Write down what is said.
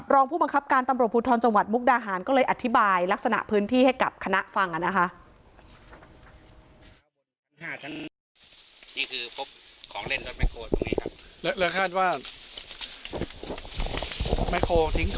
รองผู้บังคับการตำรวจภูทรจังหวัดมุกดาหารก็เลยอธิบายลักษณะพื้นที่ให้กับคณะฟังนะคะ